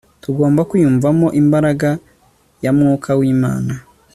tugomba kwiyumvamo imbaraga ya mwuka w'imana